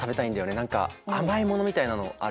何か甘いものみたいなのある？